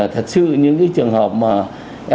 thật sự những cái trường hợp mà